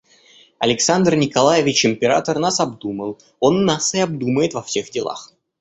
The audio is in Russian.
Александр Николаевич Император нас обдумал, он нас и обдумает во всех делах.